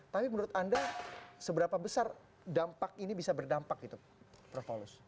tapi menurut anda seberapa besar dampak ini bisa berdampak gitu prof paulus